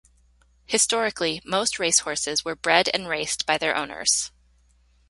Historically, most race horses were bred and raced by their owners.